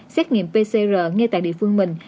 xét nghiệm pcr ngay tại địa phương mình